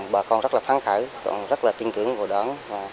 bà con rất là phán khởi rất là tin tưởng vô đoán